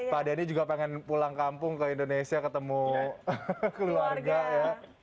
pak denny juga pengen pulang kampung ke indonesia ketemu keluarga ya